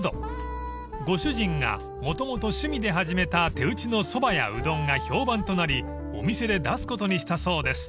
［ご主人がもともと趣味で始めた手打ちのそばやうどんが評判となりお店で出すことにしたそうです］